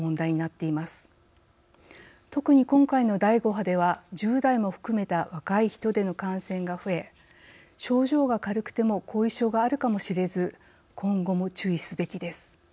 特に今回の第５波では１０代も含めた若い人での感染が増え症状が軽くても後遺症があるかもしれず今後も注意すべきです。